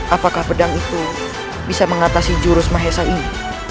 apakah pedang itu bisa mengatasi jurus mahesa ini